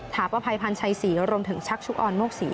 ถาปภัยพันธ์ชัยศรีรวมถึงชักชุกออนโมกศรี